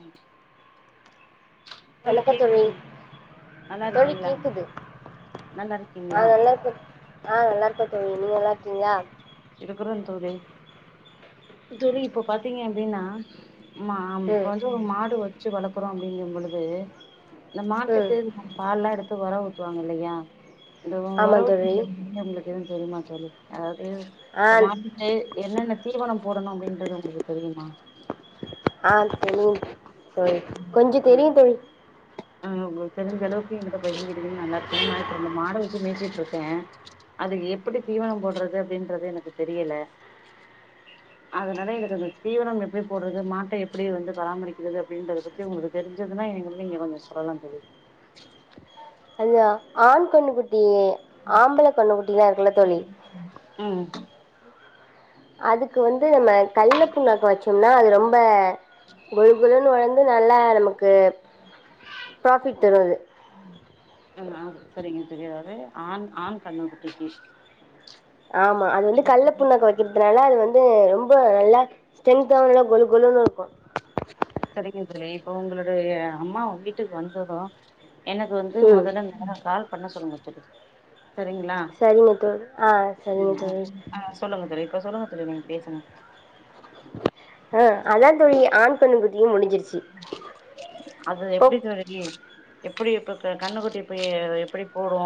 ம் தோழி கேக்குது நல்லா தோழி இருக்கீங்களா கேட்குது நல்லா இருக்கீங்களா ஆஹ் நல்லா இருக்கே தோழி நீங்க நல்லா இருக்கீங்களா இருக்குறோ தோழி தோழி இப்போ பாத்தீங்க அப்டினா மாம் இப்ப ம் வந்து ஒரு மாடு வச்சு வளக்குறோ அப்டிங்க பொழுது இந்த ம் மாட்டுக்கு பால்ல்லா எடுத்து ஒர ஊத்துவாங்க இல்லையா இந்த ஒ ஒர ஆமாம் தோழி ஊத்து உங்களுக்கு எதும் தெரிமா தோழி அதாவது ஆ இப்ப மாட்டுக்கு என்னென்ன தீவனம் போடணு அப்டின்றது உங்களுக்கு தெரியுமா ஆ தெரியு தோழி கொஞ்சோ ஆ தெரியு தோழி ஆ உங்களுக்கு தெரிஞ்ச அளவுக்கு எங்கிட்ட பகிர்ந்துகிட்டிங்கனு நல்லா இருக்கு ஏனா நா இப்ப இந்த மாட வச்சு மேய்சிட்டு ருக்கே அதுக்கு எப்படி தீவனம் போடுறது அப்டின்றது எனக்கு தெரியல அதுனால எனக்கு அந்த தீவனம் எப்டி போடுறது மாட்ட எப்டி வந்து பராமரிக்கிறது அப்டின்றத பத்தி உங்களுக்கு தெரிஞ்சதுன்னா எங்களுக்கு நீங்க கொஞ்சோ சொல்லலா தோழி அந்த ஆண் கன்னுக்குட்டி ஆம்பள கன்னுக்குட்டிலா இருக்குல்ல தோழி ம் அதுக்கு வந்து நம்ம கல்ல புண்ணாக்கு வச்சோம்னா அது ரொம்ப கொலுகொலுன்னு வளந்து நல்லா நமக்கு பிராஃபிட் தரு அது ஆ ஆ செரிங்க தோழி அதாவது ஆண் ஆண் கன்னுக்குட்டிக்கி ஆமா அது வந்து கள்ள புண்ணாக்கு வைக்கிறதுனால அது வந்து ரொம்ப ரிலாக்ஸ் ஸ்டென்த்தோட கொலு கொலுனு இருக்கு செரிங்க தோழி இப்ப உங்களோடைய அம்மா வீட்டுக்கு வந்தது எனக்கு வந்து ம் மொதல்ல நீங்க கால் பண்ண சொல்லுங்க தோழி செரிங்களா சரிங்க தோழி ஆ சரிங்க என்ன தோழி அ சொல்லுங்க தோழி இப்ப சொல்லுங்க தோழி நீங்க பேசுங்க ஆ அததா தோழி ஆண்கன்னு குட்டியு முடிஞ்சிருச்சி அது எப்டி சகோதரி எப்டி இப்பப்ப கன்னுக்குட்டிய போய் எப்டி போடு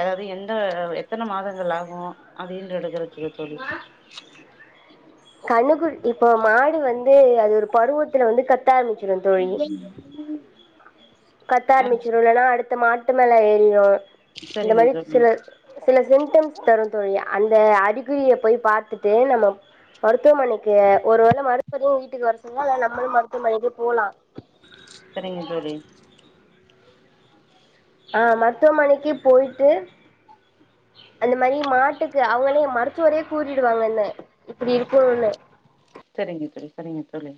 ஏதாவது எந்த எத்தன மாதங்கள் ஆகு அது ஈன்று எடுக்கிறறதுக்கு தோழி கன்னுகுட் இப்போ மாடு வந்து அது ஒரு பருவத்துல வந்து கத்த ஆரம்பிச்சிரு தோழி என்னது ம் ம் கத்த ஆரம்பிச்சிரு இல்லனா அடுத்த மாட்டு மேல ஏறிரு இந்த சரிங்க மாரி தோழி சில சில சிம்டம்ஸ் தரு தோழி அந்த அறிகுறிய போய் பாத்துட்டு நம்மம் மருத்துவமனைக்கு ஒரு வேள மருத்துவரையு வீட்டுக்கு வர சொன்னா இல்ல நம்மளு மருத்துவமனைக்கு போலா செரிங்க தோழி ஆ மருத்துவமனைக்கே போயிட்டு அந்த மணி மாட்டுக்கு அவுங்களே மரு த்துவரே கூறிடுவாங்கன்னே இப்டி இருக்குணு செரிங்க தோழி செரிங்க தோழி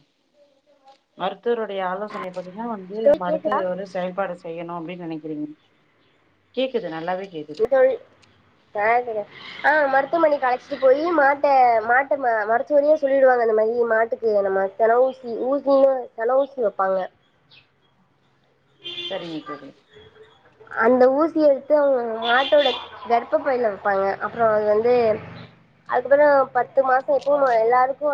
மருத்துவருடைய ஆலோ சனைப்படிதா வந்து தோழி நம்ம கேக்குதா அடுத்தது ஒரு செயல்பாடு செய்யணு அப்டினு நெனைக்கிறீங்க கேக்குது நல்லாவே கேக்கு தோழி [unintelligible] ஆ மருத்துவமனைக் அழச்சிட்டு போயி மாட்ட மாட்ட ம மருத்துவரயே சொல்லிடுவாங்க இந்த மாரி மாட்டுக் இதுல நம்ம கன ஊசி ஊசின்னு கன ஊசி வப்பாங்க சரிங்க தோழி அந்த ஊசி எத்து உங் மாட்டோட கர்ப்பபைல வப்பாங்க அப்பற அது வந்து அதுக்கப்பறோ பத்து மாச எப்பவு போல எல்லாருக்கு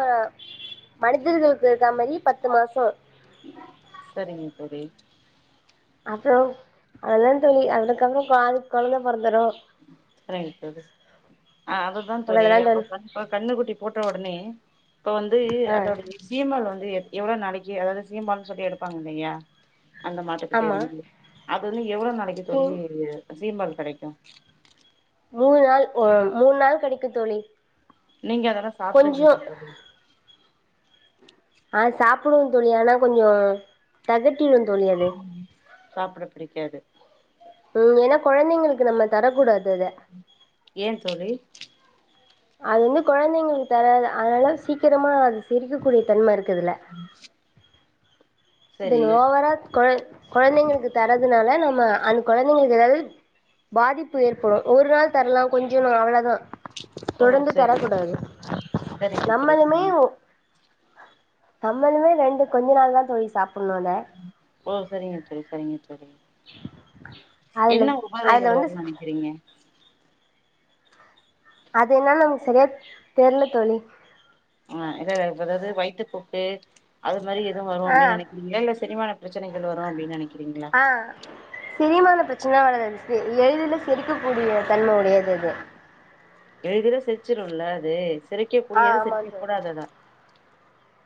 மனிதர்களுக்கு இருக்க மாரி பத்து மாசோ சரிங்க தோழி அப்பறோ அதுதா தோழி அதுக்கப்றோ பாதி கொழந்த பொறந்துரு சரிங்க தோழி ஆ அதுதா தோழி அப்போ [unintelligible] அ கண்ணுக்குட்டி போட்ட ஒடனே இப்ப வந்து ஆ அதோடையி சீம்பால் வந்து எ எவ்ளோ நாளக்கி எவ்ளோ சீம்பால் சொல்லி எடுப்பாங்ல்லையா அந்த மாட்டுக்கிட்ட ஆமா இருந்து அது வந்து எவ்ளோ நாளக்கி தோழி ம் சீம்பால் கெடைக்கு மூணு நாள் ஒ மூண் நாள் கெடைக்கு தோழி நீங்க அதெல்லா கொஞ்சோ சாப்ட்ருக்கிங் தோழி ஆ சாப்படுவோ தோழி ஆனா கொஞ்சோ தெகட்டிடு தோழி அது ம் சாப்ட புடிக்காது ம் ஏன்னா கொழந்தைங்களுக்கு நம்ம தரக்கூடாது அத ஏ தோழி அது வந்து கொழந்தைங்களுக் தர அதனால சீக்கிரமா அது செரிக்கக்கூடிய தன்ம இருக்குறதில்ல ம் தென் ஓவரால் கொழ கொழந்தைங்களுக்கு தரதுனால நம்ம அந்த கொழந்தைங்களுக்கெதாது பாதிப்பு ஏற்படு ஒரு நாள் தர்லா கொஞ்சமா அவ்ளதா ஓ தொடர்ந்து தரக் சரிங்க கூடாது சரிங்க தோழி நம்மளுமே சரிங்க நம்மளுமே ரெண்டு கொஞ்ச நாள் தா தோழி சாப்பன்னு அத ஓ செரிங்க தோழி செரிங்க தோழி அதுல என்ன அதுல உபாதைகள் வந்து வரு நெனக் சரிங்க அது என்னன் நமக் சரியா தெர்ல தோழி ஆ எது அதாது வயிற்றுப்போக்கு அது மாரி எதுவு வரு ஆ அப்டின் நெனைக் இல்ல செரிமான பிரச்சனைகள் வரு அப்டின் நெனைக்கிறீங்ளா ஆ செரிமான பிரச்சன வராது செ எளிதில செரிக்கக்கூடிய தன்ம உடையது அது எளிதில செர்ச்சுருல அது செரிக்க ஆ கூடியது செரிக்க கூடாததா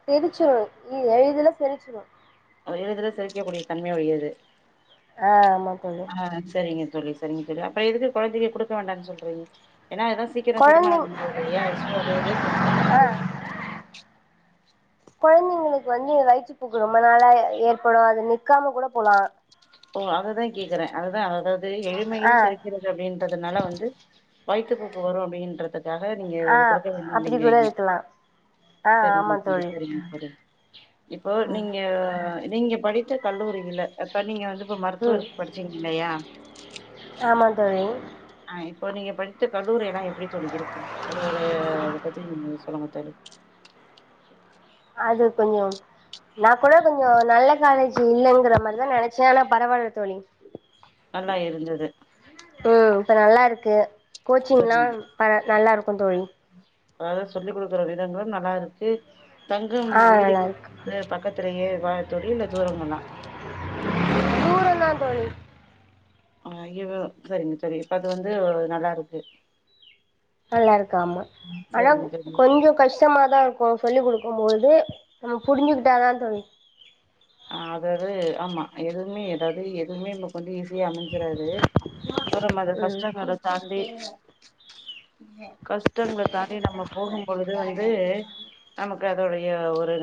செரிச்சிரு இ எளிதுல செருச்சுரு அது எளிதுல செரிக்கக்கூடிய தன்மை உடையது அ ஆமா தோழி ஆ செரிங்க தோழி செரிங்க தோழி அப்ற எதுக்கு கொழந்தைக குடுக்க வேண்டானு சொல்றீங் ஏன்னா அதா சீக்கிர கொழந்தைங் செரிமானம் [unintelligible] ல்லையா சோ அதுது பிரச்சன ஆ பண்ணாது கொழந்தைங்களுக்கு வந்து வயிற்று பூக்கு ரொம்ப நாளா எ ஏற்படு அது நிக்காம கூட போலா ஓ அததா கேக்குற அதுதா அதாது ஆ எளிமையில் செரிக்கிற து அப்டின்றதுனால வந்து வயிற்று போக்கு வரு அப்டின்றது ரக நீங்க ஆ குடுக்க அப்டி கூட வேண்டாங்றிங்கறிங்க இருக்கலா ஆ சரிங்க ஆமா தோழி சரிங்க தோழி இப்போ நீங்க நீங்க படித்த கல்லூரியில அப்ப நீங்க வந்து இப்ப ம் மருத்துவருக் படிச்சிருக்கிங்ல்லையா ஆமா தோழி ஆ இப்போ நீங்க படுச்ச கல்லூரி எல்லா எப்புடி தோழி இருக்கு அது உரைய இத பத்தி சொல்ல மாட்டாரு அது கொஞ்சோ நா கூட கொஞ்சோ நல்ல காலேஜ்ஜி இல்லங்கற மாரிதா நெனச்சே ஆனா பரவால்ல தோழி நல்லா இருந்தது ம் இப்ப நல்லாருக்கு கோச்சிங்லா ப நல்லாருக்குந் தோழி ஆக சொல்லி குடுக்குற விதங்களு நல்லா இருக்கு தங்கு ஆ நல்லா விடுதிகள் இருக்கு இது பக்கத்துலயே வா தோழி இல்ல தூரோ தானா தூரோந்தா தோழி ஆவங்க ஐயரு செரிங்க செரி அது வந்து நல்லாருக்கு நல்லா இருக்காமா ஆனா சரிங்க தோழி கொஞ்சோ கஷ்டமாதா ப்போ சொல்லி் குடுக்கும்போது நம்ம புருஞ்சுக்கிட்டாதா தோழி அதது ஆமா எதுமே எதாவ்து எதுமே கொஞ்சொ ஈஸியா அமைஞ்சுறாது சொனமாரி ம் கஷ்டங்கள தாண்டி கஷ்டங்கள தாண்டி நம்ம போகும்பொழுது வந்து நமக்கு அதுடைய ஒரு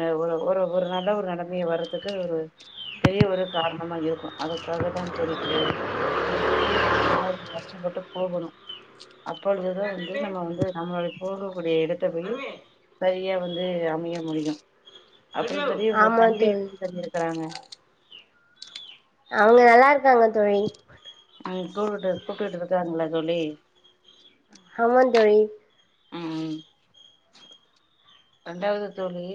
ஒரு ஒரு நல்ல ஒரு நிலமையா வரு க்கு ஒரு பெரிய ஒரு காரணமா இருக்கனு அதுக்காக தா தோழி கே இப்பயே வந்து நல்லா கஷ்டப்பட்டு போகணு அப்பொழுதுதா வந்து நம்ம வந்து நம்ளோட போகக்கூடிய இடத்த போய் செரியா வந்து அமைய முடியு அப்ரோ தோழி உங்க ஆமா தம்பி தோழி எப்டி இருக்காங்க அவ்ங்க நல்லாருக்காங்க தோழி ஆ கூப்புட்டு கூப்ட்டுட்டு இருக்காங்களா தோழி ஆமாந் தோழி ம்ம் ரெண்டாவ்து தோழி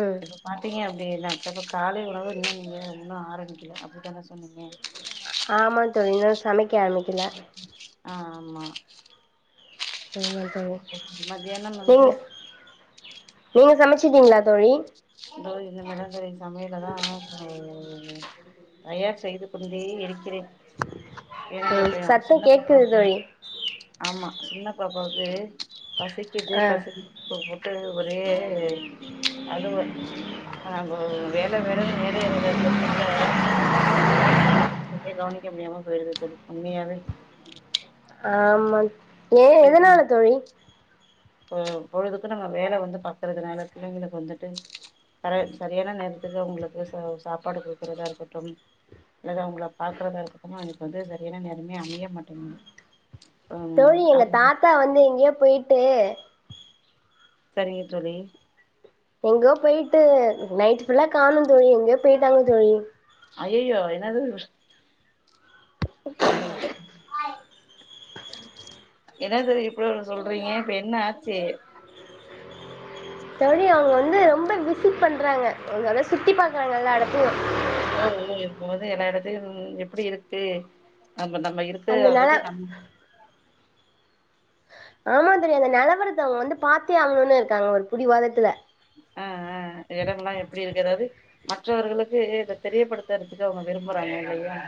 ம் இப்ப பாத்தீங்க அப்டினா அப்ப காலை உணவு நீீங்க உண்ண ஆரம்பிக்கல. அப்டித்தான சொன்னீங்க ஆமா தோழி இன்னு சமைக்க ஆரம்பிக்கெல அ ஆமா செரிங்க தோழி மத்தியானம் நீங்க வந்து நீங்க சமச்சுட்டீங்ளா தோழி தோழி இன்னு மேதா தோழி சமயலெல்லா அவபோகுது ம் தயார் செய்து கொண்டே இருக்கிறே ஏங்க ம் இப்ப ஏ சத்தம் சின்ன பாப்பா கேக்குது வந் தோழி ஆமா சின்னபாப்பா வந்து பசிக்குது ஆ பசிக் இப்ப போட்டு ஒரே அழுக ஆ அங்க வேல வேலன்னு வேலைல இருந்ததுட்னால குழந்தைகள செரியா கவனிக்க முடியாம பொய்ருது தோழி உண்மையாவே ஆமா ஏ எதுனால தோழி இப்போ பொழுதுக்கு நம்ம வேல வந்து பாக்கறதுனால பிள்லேங்களுக்கு வந்துட்டு கர சரியான நேரத்துக்கு உங்களுக்கு சாப்பாடு குடுக்குறதா இருக்கட்டு அல்லது அவங்கள பாக்றதா இருக்கட்டு ஆ இப்ப வந்து செரியான நேரமே அமைய மாட்டேங்குது ம் தோழி அ எங்க தாத்தா வந்து எங்யோ போய்ட்டு சரிங்க தோழி எங்கோ போய்ட்டு நைட் ஃபுல்லா காணு தோழி எங்க்யோ போய்ட்டாங்க தோழி ஐய்யய்யோ என்னது என்னது இப்பிடி ஒன்னு சொல்றீங்க இப்ப என்ன ஆச்சு தோழி அவங்க வந்து ரொம்ப விசிட் பண்றாங்க அதனால சுத்தி பாக்குறாங்க எல்லா எடத்தயு ம் ம் இருக்கும்போது எல்லா எடத்தயு எப்பிடி இருக்கு நம்ம நம்ம இருக் க்குற அந்தனால அதாது நம் ஆமா தோழி அந்த நலவரத்த அவங்க வந்து பாத்தே ஆகணுனு இருக்காங்க ஒரு பிடிவாதத்துல அ ஆ எடமெல்லா எப்பிடி இருக்கு அதாது மற்றவர்களுக்கு இத தெரியப்படுத்துறதுக்கு அவங்க விரும்புறாங்க இல்லயா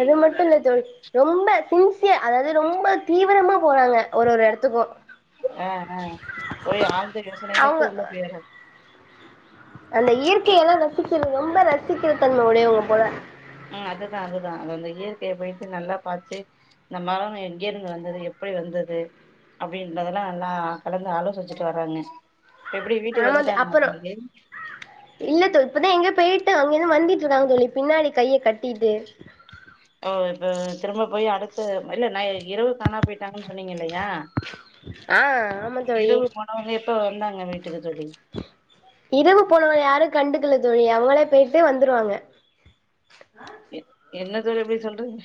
அது மட்டு இல்ல தோழி ரொம்ப சின்சியர் அதாது ரொம்ப தீவிரமா போறாங்க ஒரு ஒரு எடத்துக்கு அ அ போய் ஆழ்ந்த யோசனைையில அவங்க தூங்க போயிர அந்த இயற்கைய எல்லா ரசிக்கிற ரொம்ப ரசிக்கிற தன்ம உடையவங்க போல ம் அதுதா அதுதா அது அந்த இயற்கைய போயிட்டு நல்லா பாத்து இந்த மரங்க எங்க இருந்து வந்தது எப்படி வந்தது அப்படின்றதெல்லா நல்லா கலந்து ஆலோசிச்சுட்டு வர்றாங்க இப்ப எப்டி வீட்டுக்கு வந்துடாங்களா சுருதின் இல்லத்தோ இப்பதா எங்கியோ போயிட்டு அங்கிருந்து வந்துட்டு இருக்காங்க தோழி பின்னாடி கைய கட்டிட்டு ஓ இப்ப திரும்ப போய் அடுத்த இல்ல நா இரவு காணா போய்டாங்கன் சொன்னீங்க இல்லயா அ ஆமாந்தோழி அவங்க இப்ப வந்தாங்க வீட்டுக்கு தோழி இரவு போனவங்க யாரு கண்டுக்கல தோழி அவங்களே போயிட்டு வந்துருவாங்க எ என்ன தோழி இப்டி சொல்றிங்க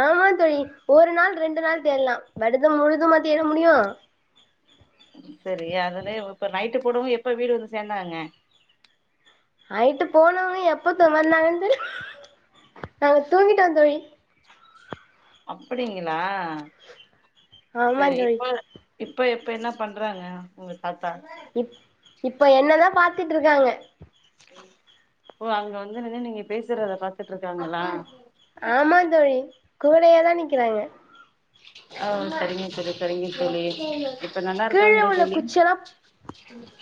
ஆமா தோழி ஒரு நாள் ரெண்டு நாள் தேடலா வருதம் முழுதுமா தேட முடியு சரி அதுனே இப்ப நைட்டு போனவங்க எப்ப வீடு வந்து சேந்தாங்க நைட்டு போனவங்க எப்பத்த வந்தாங்கன் தெரியு நாங்க தூங்கிட்டோ தோழி அப்டிங்களா ஆமா சரி தோழி இப்ப இப்ப எப்ப என்ன பண்றாங்க உங்க தாத்தா இப் இப்ப என்னதா பாத்துட்ருக்காங்க ஓ அங்க வந்து நின்னு நீங்க பேசுறத பாத்துட்ருக்காங்களா ஆமா தோழி கூடயே தா நிக்கிறாங்க அ சரிங்க தோழி சரிங்க தோழி இப்ப நல்லா கீழ இருக்காங்களா உள்ள தோழி குச்செல்லா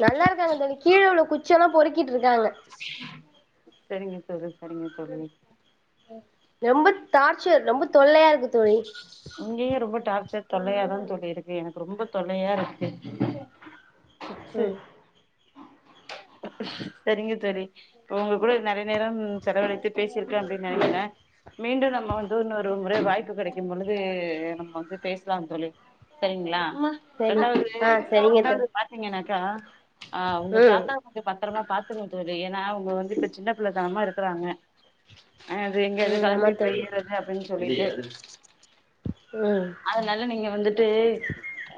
நல்லா இருக்காங்க தோழி கீழ உள்ள குச்செல்லா பொறுக்கிட்டு இருக்காங்க சரிங்க தோழி சரிங்க தோழி ரொம்ப தார்ச்சர் ரொம்ப தொல்லையா இருக்கு தோழி இங்கயு ரொம்ப டார்ச்சர் தொல்லையா தா தோழி இருக்கு எனக்கு ரொம்ப தொல்லையா இருக்கு அச்சு ம் சரிங்க தோழி இப்ப உங்க கூட நெறைய நேரம் செலவழித்து பேசியிருக்க அப்டின் நெனைக்கிறே மீண்டு நம்ம வந் இப்பன்னொரு முறை வாய்ப்பு கிடைக்கும் பொழுது நம்ம வந்து பேசலா தோழி சரிங்ளா சரி ரெண்டாவது ஆ சரிங்க தோழி ரெண்டாவது பாத்தீங்கன்னாக்கா ஆ உங்க ம் தாத்தா வந்து பத்தரமா பாத்துக்கங்க தோழி ஏன்னா அவங்க வந்து இப்ப சின்ன பிள்ளதனமா இருக்கிறாங்க அ அது எங்க அது ம் ஆமா கெளம்பி தோழி போயிறது அப்டின் சொல்லிட்டு ம் அதனால நீங்க வந்துட்டு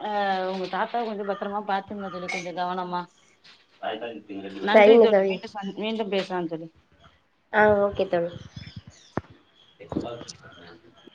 ஆ உங்க தாத்தாவ கொஞ்ச பத்திரமா பாத்துங்க தொழி கொஞ்ச கவனமா நன்றி தோழி மீண்டும் சந் மீண்டும் பேசலாம் தோழி ஆ ஓகே தோழி எக்ஸ்ட்ராவா வச்சிகோங்க